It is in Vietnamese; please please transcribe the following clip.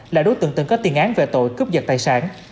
là đối tượng từng có tiền án về tội cướp giật tài sản